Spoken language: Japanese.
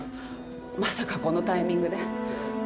まさかこのタイミングで。